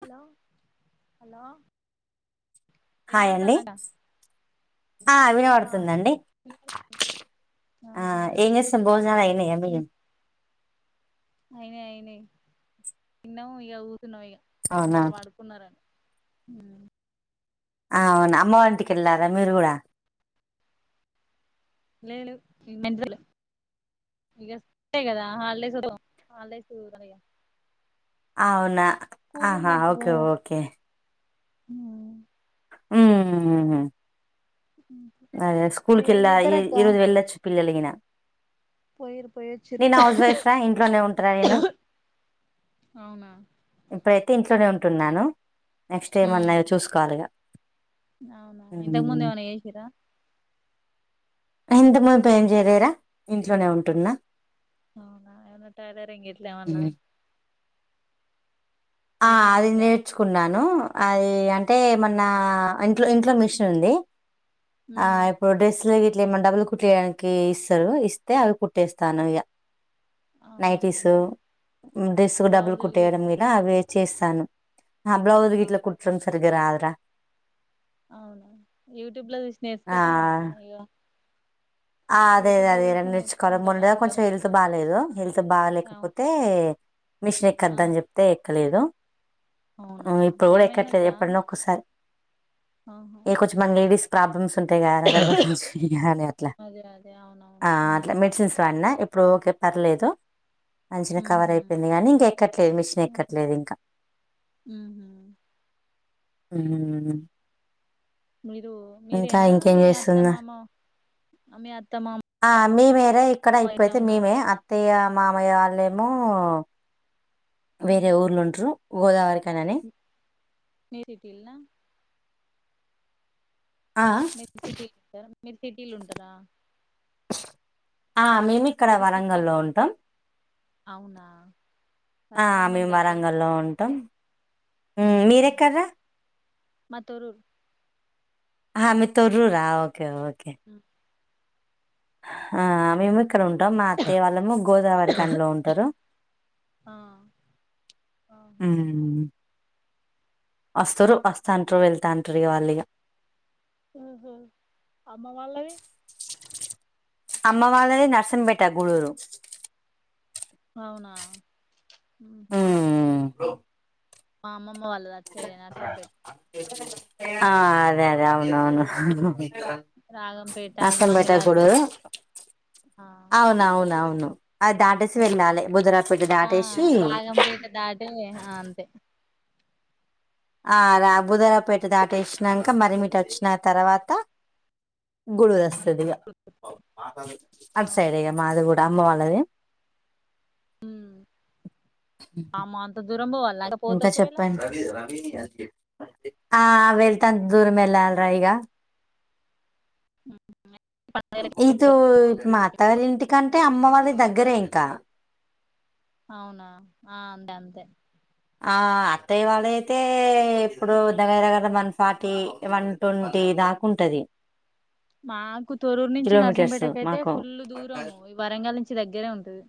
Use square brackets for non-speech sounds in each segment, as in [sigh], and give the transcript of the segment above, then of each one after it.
Hello hello hi అండి వినపడతాందారా. ఆ వినపడుతుందండి. ఆ ఆహా ఎం చేస్తుర్రు భోజనాలు అయ్యినయా మియ్యి. అయినయి అయినయి తిన్నము ఇగ కూర్చున్నము ఇగ అవునా వాళ్ళు పడుకున్నరని. హ్ ఆ అవునా అమ్మ వాళ్ళింటికి ఎళ్ళారా మీరు కూడా. లేడు [inaudible] ఇగా అస్తయి కదా హాల్డేస్ వత్తే పోతం హాల్డేస్ కదా ఇగ. అవునా స్కూల్ ఆహా ఉన్నప్పుడు ఓకే పోము ఓకే హ్మ్ హ్ ఉహ్ అదే స్కూల్ కి ఎళ్ళాయి ఈరోజు ఎళ్ళొచ్చు పిల్లలుగినా. పోయిరు పోయొచ్చిరు నేను హౌస్ వైఫ్రా ఇంట్లోనే ఉంటరా నేను. అవునా ఇప్పుడైతే ఇంట్లోనే ఉంటున్నాను. నెక్స్ట్ ఏమన్నా చూసుకోవాలిగా. అవునా ఇంతకు ఉమ్ ముందేవన ఏసిర్రా ఇంత ముందు ఏం చేయలేరా ఇంట్లోనే ఉంటున్నా అవునా ఏవన్నా టైలరింగ్ ఇట్లేమన్నా ఉమ్. ఆ మిషన్ అది ఇట్లా ఏమన్నా నేర్చుకు కున్నాను అది అంటే ఏమన్నా ఇంట్లో ఇంట్లో మిషన్ ఉంది ఆ ఇప్పుడు డ్రెస్సులు ఇట్లా ఏమన్నా డబులు కుట్టేయడానికి ఇస్తారు ఇస్తే అవి కుట్టేస్తాను ఇక అవునా నైటిసు డ్రెస్ కి డబులు బ్లౌజులు కుట్టేయడం ఇట్లా మీద అవి చేస్తాను ఆ బ్లౌస్ గిట్ల కుట్టడం సారిగ్గా రాదురా అవును యూట్యూబ్ లో చూసి ఆ! నేర్చుకపోయినా వక్క ఇహ ఆ అదే అదే అదె ర నేర్చుకోవాలి ముందు గా కొంచెం హెల్త్ బాగాలేదు హెల్త్ అవును బాగలేకపోతే మిషన్ ఆ ఎక్కద్దని చెప్తే ఎక్కలేదు అవునా మ్ ఇప్పుడు కూడా ఏమైందక్క ఎక్కట్లేదు ఎప్పుడన్న ఒక్కసారి ఆహా ఏ కొంచెం మన లేడీస్ ప్రాబ్లమ్స్ ఉంటాయి గర్బ సంచి యాలి అట్లా అదే అదే అవునవును ఆ అట్లా ఉమ్ మెడిసిన్స్ వాడి న్న ఇప్పుడు ఓకే పర్లేదు మంచినే కవర్ ఉహు అయిపోయింది కానీ ఇంక ఎక్కట్లేదు మిషన్ ఎ ఉహు క్కట్లేదు ఇంకా ఉహు. మ్ మీరు మీరేనా మీ చేస్తున్నా అత్తమామ మీ అత్తమామ ఆ మీ మేరె ఇక్కడ ఇప్పుడైతే మేమే అత్తయ్య మామయ్య వాళ్ళేమో ఆ. వేరే ఊర్లు ఉంట్రు గోదావరి ఖని అని ఏదిఎటీల్నా ఆ మీరు సిటీలుంటారు మీరు సిటీలు ఉంటారా ఆ మేమి మరు సిటీలో ఉంటర అవునా ఆ వరంగల్ మాకు మేము దగ్గరే వరంగల్లో ఉంటాం మీరెక్కడర్రా మత్తోరు హ మీ తర్రూరా ఓకే ఓకే మ్ ఆ మేము ఇక్కడ ఉంటాం మా అత్తయ్య వాళ్ళమో గోదావరి ఖని లో ఉంటారు ఆహ ఉమ్, వస్తారు వస్తాంటురు వెళ్తాంటుర్రు ఇగ వాళ్ళ ఇగా ఒ హు అమ్మ వాళ్ళవి అమ్మ వాళది నర్సం పేట గుడూరు అవునా మ్ హు మ్ ఉమ్ మా అమ్మమ్మ వాళ్ళది అటు సైడె నర్సం పెట్ ఆ అదే అదే అవునవును రాగంపేట నర్సంపేట ఇప్పుడు మంగళారపేట ఆ అవునవునవును అది దాటేసి రా వెళ్ళాలి బుధురా పెట్ దాటేసి ఇహ అంతే ఆ రా బుధారపేట దాటేసినాంక మరి మీటు వచ్చిన తర్వాత గుడు వస్తదిగా అట్ అవును సైడ్ అయ్యాం అది కూడా అమ్మ వాళ్ళది ఉమ్ అమ్మ అంత దూరం బోవాల ఇంకా చెప్పండి ఆ వెళ్తాన్ దూరమెల్లాలి రా ఇగ పండగలకి ఇదో మా అత్తగారి ఇంటికంటే అమ్మ వాళ్ళదె దగ్గరింకా అవునా ఆ అండ్ అంతే ఆ అత్తయ్య వాళ్ళయితే ఇప్పుడు దగ్గర దగ్గర వన్ ఫార్టీ వన్ ట్వంటీ దాకుంటది మాకు తొరూరు నుంచి కిలోమీటర్స్ నర్సంపేటకు అయితే మాకు ఫుల్ దూరము ఈ వరంగల్ నుంచి దగ్గరే ఉంటది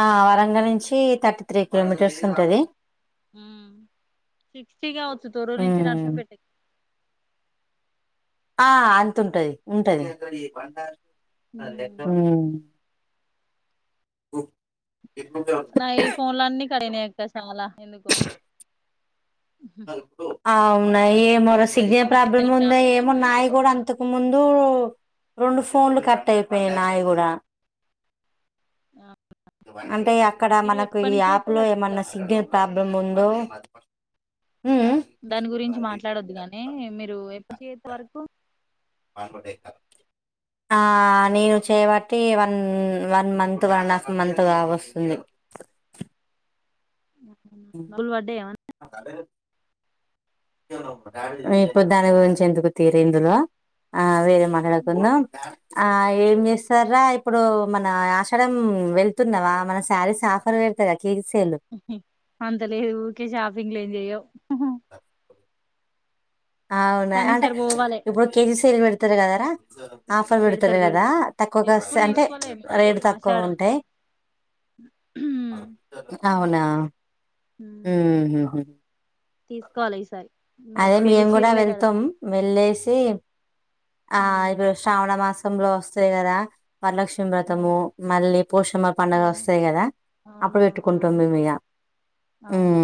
ఆ వరంగల్ నుంచి థర్టీ త్రీ కిలోమీటర్స్ వుంటది హ్మ్ సిక్స్టీగావచ్చు తోరూర్ నుంచి ఉమ్ నర్సమ్ పేటకి ఆ అంతుంటది ఉంటది ఉమ్ హ్మ్ నాయి ఫోన్ల అన్ని [unintelligible] ఎందుకు ఆ వునయ్ ఏమోరా సిగ్నల్ ప్రాబ్లమ్ ఉందో ప్రాబ్లం ఏమో అన్నా నాయికూడా కూడా ఏదన్నా అంతక్ ముందు రెండు ఫోన్లు కట్ అయిపోయినయ్ నాయి గూడా ఆ అంటే అక్కడ మనకు ఈ యాప్ చేస్తారు లో ఏమన్నా ఎక్కువ సిగ్నల్ ప్రాబ్ ముందు హ్మ్ హు దాని గురించి మాట్లాడొద్దు గాని మీరు [unintelligible] [inaudible] ఆ నేను చేయవట్టి one one month one and half month గావొస్తుంది [unintelligible] కాలడ్ ఇప్పుడు దాని గురించి ఎందుకు తీరిందిరా ఆ వేరే మా రకంగా ఆ ఏం చేస్తారా ఇప్పుడు మన ఆషాడం వెళ్తున్నవా మన శారీస్ ఆఫర్ పెడ్ [unintelligible] అంత లేదు ఊరికే షాపింగ్లు ఏం చెయ్యవ్ అవునా కానీ అంటే ఈసారి పోవాలే ఇప్పుడు కేజీ సేల్ పెడతర్ కదరా ఆఫర్ పెడతర్ పెడతారు గదా పెడతారు తక్కువగొస్తే ఎప్పుడు అంటే తీసుకోలే మేము రేటు ఆషాడం తక్కువగుంటయ్ అవునా హ్మ్ హు హు తీస్కోవాలి ఈసారి అదే పెళ్లి మేము కూడా చీరలే వెళ్తాం కడతాను వెల్లేసి ఆ ఉమ్ ఇపుడ్ శ్రావణ మాసంలో వస్తాయ్ గదా వరలక్ష్ అవును వ్రతము మళ్ళీ పోషమ పండుగ బోనం వస్తయ్ గదా అప్పుడు అవునవును ఆ పెట్టుకుంటము మేమ్ ఇగ అవునా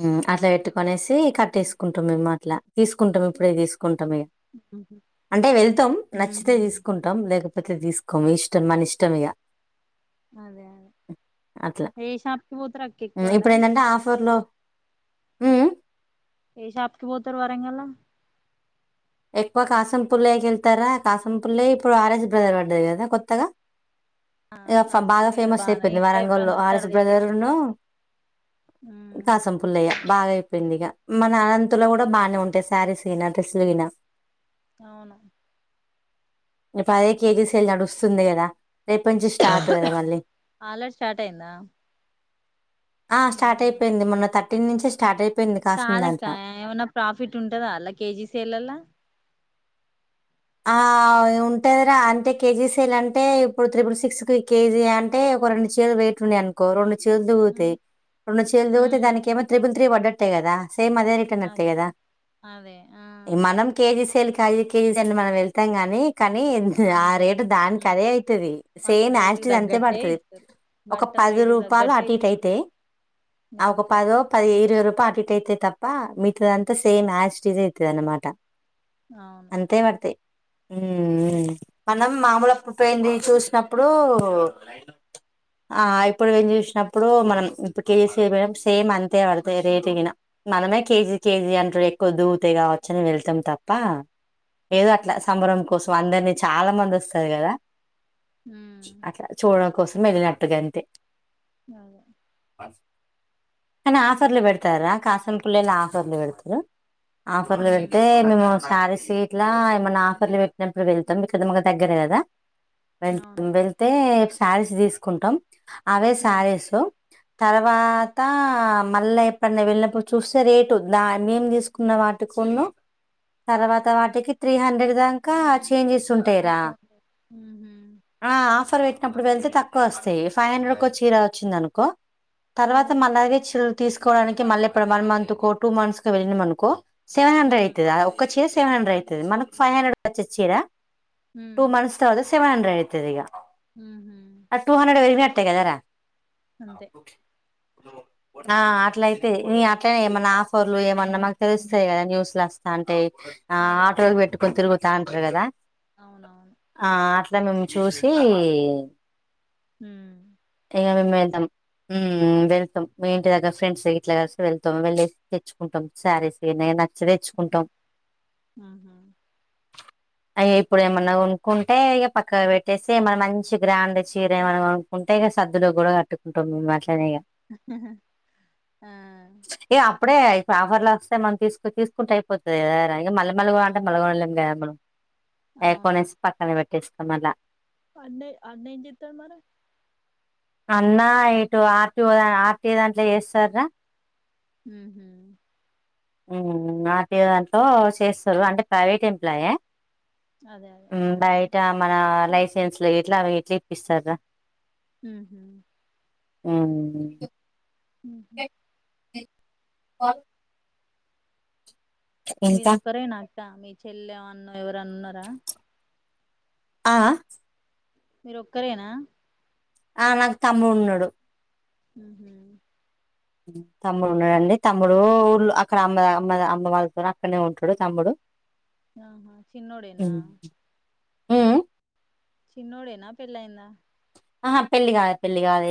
హ్మ్ అట్లా పెట్టుకొనేసి కట్టేస్కుంటమ్ మేము అట్లా తీసుకుంటమ్ ఇప్పుడే తీసుకుంటమ్ ఇగ అంటే వెళ్తమ్ నచ్చితే ఉహు తీసుకున్ టమ్ లేకపోతే తీసుకోమ్ ఇష్టం మన ఇష్టం ఇగ అదే అదే అట్లా ఏ షాప్కిి పోతరక్కెకువాడా [unintelligible] హ్మ్ హ్మ్ ఏ షాప్ కి పోతరు వరంగల్ లా ఎక్కువ కాసంపుళ్లేకెళ్తారా కాసాంపుల్లే ఇప్పుడు ఆర్ఎస్ బ్రదర్ పడ్డది గదా కొత్తగా ఆ ఇగ బాగా కాసపులేల ఫేమస్ బానే నేను అయిపోయింది కూడా వరంగల్ లో ఎప్పుడన్నా వత్తే ఆడ ఆర్ఎస్ తెచ్చేది బ్రదర్నూ మ్మ్ కాసం పుల్లయ్య బాగా అయిపోయింది ఇగ మన అనంత్ లో గుడ బానే ఉంటయ్ శారీస్ గిన డ్రెస్సులు గినా ఔను ఇ పదే కేజీ సేల్ నడుస్తుంది గదా రేపుంచి స్టాటు గద మళ్ళీ ఆల్రెడీ స్టార్ట్ అయిందా ఆ స్టార్ట్ మ్మ్ అయిపోయింది మొన్న థర్టీన్ నుంచే స్టార్ట్ అయిప్ కాదక్కాయ్ ఏమన్న ప్రాఫిట్ ఉంటదా ఆళ్ళ కేజీ సేల్లల్లో ఆ ఉంటయ్ రా అంటే కేజీ సేల్ అంటే ఇప్పుడు త్రిపుల్ సిక్స్ కి కేజీ అంట్ టే ఒక రెండు చేదు వెయిట్ ఉన్నయ్ అన్ కో రొండు చీల్ దిగుతయ్ రొండు చీల్ దిగుతే ఉమ్ దానికి ఏమో త్రిబుల్ త్రీ పడ్డట్టే గదా సేమ్ అదే రే ట్ అన్నట్టే అదే గదా అదే ఆ మనం కేజీ సేల్ కాజి కేజీ సేల్ మనం వెళ్తాం గానీ కానీ ద్యుహ్ ఆ అంతే రేటు దానిక్ మ్మ్ అదే ఐతదీ వాళ్ళకి సేమ్ రేటుకి యాస్టిజ్ అంతే తగ్గట్టే పడ్తది ఇత్తరు ఒక బట్టల పది రేటుకి రూపాలు తగ్గట్టే అటు ఇటు ఇత్తరు ఐతయ్ ఆ ఒక గంతే పదో పదీ ఇరవై రు పాయ అటిట్ అయితే తప్ప మితదంతా సేమ్ యాస్టీజే అవుతుంది అనమాట ఔను అంతే బడ్తయ్ ఉమ్ ఉమ్ మనం మామూలప్పుడ్ పోయింది చూష్నప్పుడూ ఆ ఇప్పుడు వెం జూష్నప్పుడూ మనం ఇప్పుడ్ కేసీడం సేమ్ అంతే బడ్తయ్ రేటుగిన మనమే కేజీ కేజీ అంటర్ ఎక్కువ దూవుతయ్ గావచ్చని వెళ్తం తప్పా ఏదో అవును అట్ల సంబరం కోసం అందర్నీ చాల మంది వస్తరు గదా హ్మ్ అట్ల చూడడం కోసం ఎల్నట్టు గంతే ఆఁ ఐన ఆఫర్లు ఉమ్ బెడ్తారా కాసల్ పుల్లై నా ఆఫర్లు బెడ్తురు ఆఫర్లు బెడ్తే మెమూ స్యారిస్ ఇట్లా ఏమన్న ఆఫర్లు బెట్నప్పుడు వెళ్తం ఇక్కడ మకు దగ్గర గదా వెళ్తం అవును వెల్ తే శ్యారీస్ దీస్కుంటం అవే ఉమ్ శ్యారీసు తర్వాతా మళ్ళ ఎప్ అన్న వెళ్ళినప్డు చూస్తే రేటు దా మేమ్ దీస్కు కున్న వాటి కున్ను తర్వాత వాటికి త్రీ హండ్రెడ్ దాంకా చేంజేస్ తకున్ ఉ హుమ్ ఆ ఆఫర్ బెట్నప్పుడ్ వెల్తె తక్కువొస్తయ్ ఫైవ్ హండ్రెడ్ కో చీర వచ్చిందనుకో ఆ తర్వాత మళ్ళ అవే చీరలు తీసుకోవడానికి మళ్ళ ఎప్పుడ్ వన్ మంతు కో టూ మంత్స్ కో వెళ్ళినం అనుకో సెవెన్ హండ్రె ఉమ్ ఐతది ఒక్క చీ సెవెన్ హండ్రె ఐతది మనకి ఫైవ్ హండ్రెడ్ కొచ్చే చీర్యా టూ ఉమ్ మంత్స్ తర్వాత సెవన్ హండ్రె ఐతది ఇగ హ్మ్ హూ అ టూ హండ్రెడ్ వెరిగి నట్టె గదరా అంతే ఆ అట్లై తే ఈ అట్లనే ఏమన్నా ఆఫర్లు ఏమన్నా మాకు తెలుస్తది గద న్యూస్ లొస్తాంటయ్ ఆ ఆటోలు బెట్టుకొన్ తిరుగుతా ఉంటరు గదా ఔనవున్ ఆ అట్ల మేం చూసీ ఉమ్ ఇగ మేం ఎళ్దం ఉమ్ వెళ్తం మీ ఇంటి దగ్గర్ ఫ్రెండ్స్ ఇట్లా గల్సి వెళ్తం వెళ్లేేసి తెచ్చుకుంటాం శ్యారీస్ ఎ నేన్ నచ్చి తెచ్చుకుంటం ఆహ అయి ఇప్పుడు ఏమన్నా కొనుక్కుంటే ఇగ పక్కన పెట్టేస్తే ఏమన్న మంచి గ్రాండ్ చీర ఏమన్న కొను ఉంటే ఇగ సద్దులక్ గూడా కట్టుకుంటం మేము అట్లనే ఇగా. ఆ ఏ అప్పుడే ఇప్పుడు ఆఫర్ల వస్తే మనం తీసుకు తీసుకుంటే అయిపోతది గదరా ఇగ మళ్ళెం మళ్ళ గొను అంటే అవునవును మళ్ళగొనలేం గదా మనం ఏ అవును కొనేస్ పక్కన పెట్టేస్తాం మళ్ళా. అన్నెయ్ అన్నా ఏం చేత్తాండు మరి అన్నా ఇటు ఆర్టీఓ ఆర్టీ దాంట్ల చేస్తర్రా. ఊహూ హ్ము ఆర్టీఓ దాంట్లో చేస్తరు అంటే ప్రైవేట్ ఎంప్లాయే. అదే అదే ఊ ఆ బయటా మనా ఉహు లైసెన్స్లు గిట్లా అవి ఇట్ల ఇప్పిస్తర్రా. ఊహు ఉమ్ ఉహు ఇంకా మీరొక్కరేనా అక్కా మీ చెల్లే వొ అన్నో ఎవరన్న ఉన్నరా. ఆహా మీరు ఒక్కరేనా ఆ నాకు తమ్ముడున్నడు ఊహు తమ్ముడు ఉన్నాడండి తమ్ముడూ ఊళ్ళొ అక్కడ అమ్మ అమ్మద అమ్మ వాళ్ళతోని అక్కడనే ఉంటడు తమ్ముడు. ఆహా చిన్నోడేనా ఉమ్ ఉమ్, చిన్నోడేనా పెళ్ళైయిందా అహా పెళ్ళి గాలే పెళ్లి గాలే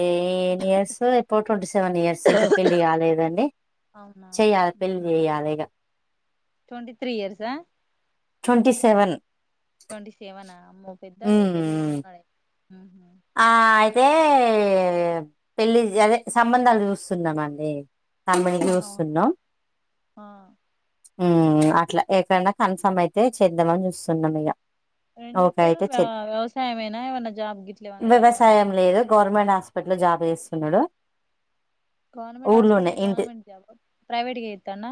ఇయర్సు ఇపుడు ట్వంటీ సెవెన్ ఇయర్స్ ఇంక పెళ్లి గాలేదండి. అవునా చెయ్యాలె పెళ్ళి చెయ్యాలె ఇగా ట్వెంటీ త్రీ ఇయర్సా ట్వంటీ సెవెన్ ట్వంటీ సెవెనా అమ్మో పెద్దోడే పెళ్ళికి ఉమ్ ఉన్నోడే ఊహు. ఆ అయితే పెళ్ళి అదే సంబంధాలు చూస్తున్నామండి. అమ్మాయిని అవును జూస్తున్నం ఆ ఊ అట్లా ఎక్కడనా కన్ఫార్మ్ అయితే చేద్దామని చూస్తున్నాం ఇగా. ఏం చేత్తడు వా వ్యవసాయంమేనా ఏమన్నా జాబ్ గిట్ల్ వ్యవసాయం లేదు గవర్నమెంట్ హాస్పిటల్ లో జాబ్ చేస్తున్నడు. గవర్నమెంట్ హస్పిటల్ లో గవర్మెంట్ జాబ్హా ప్రైవేట్గా చేత్తాండా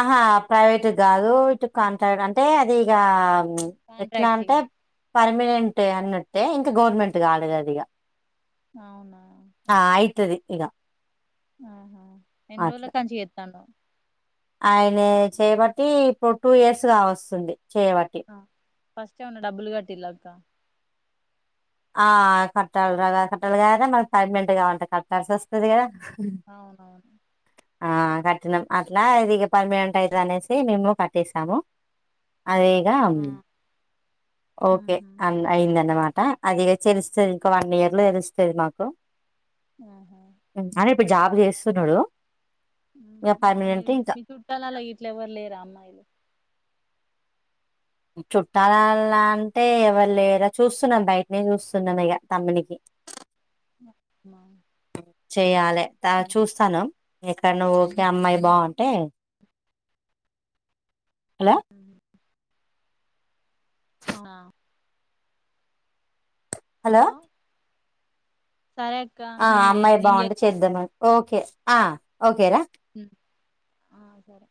ఆహా ప్రైవేటుగ్ గాదూ ఇటు కాంట్రాక్ట్ అంటే అది ఇగా ప్చ్ ఎట్లా కాంట్రాక్ట్ అంటే గా పర్మనెంటే అన్నట్టే ఇంక గవర్నమెంట్ గాడు కద ఇగా. అవునా ఆ అయితది ఇగ ఆహా ఎన్ని రోజుల అట్లా. కాంచి చేతాండో. ఆయనే చేయబట్టీ ఇప్పుడు టూ ఇయర్స్ గా వస్తుంది చేయబట్టి. ఆ ఫస్ట్ ఏమన్న డబ్బులు కట్టిన్లా అక్కా. ఆ కట్టాల్ గదా కట్టాలిగదరా మళ్ళ పెర్మనెంట్ గావాలంటే కట్టాల్సి వస్తది గదా. అవునవును ఆ కట్టినం అట్లా ఇదిగా పర్మినెంట్ అయితది అనేశీ మేము కట్టేశాము. అదే ఇగా ఆ ఉమ్ ఓకే ఉహు అన్ అయిందన్నమాటా. అదిగ తెలుస్తది ఇంకో వన్ ఇయర్ లో తెలుస్తది మాకు ఊహు అని ఇప్పుడు జాబ్ చేస్సున్నాడు ఊహు మీ చుట్టాల ఇట్ల ఎవర్ లేరా అమ్మాయిలు చుట్టాల్లలా అంటే ఎవరు లేదా చూస్తున్నాం బయటనే చూస్తున్నాను ఇక తమ్మునికి అట్న చెయ్యాలె తా చూస్తానం ఎక్కడ్న ఒకే అమ్మాయి బాగుంటే హలో అవునా? హలో సరై ఆ అమ్మాయి బాగుంటే చేద్దామ ఓకే ఆ ఓకేరా హ్మ్ ఆ సరే